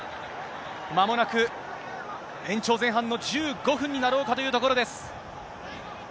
まもなく延長前半の１５分になろうかというところです。